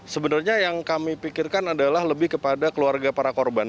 sebenarnya yang kami pikirkan adalah lebih kepada keluarga para korban